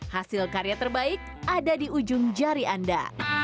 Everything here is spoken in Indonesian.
hasil karya terbaik ada di ujung jari anda